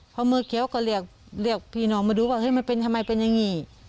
พอมือเขียวก็เรียกพี่น้องมาดูว่าทำไมมันเป็นอย่างนี้